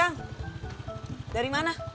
kang dari mana